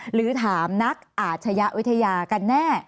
หรือถามนักอาชญะวิทยากันแน่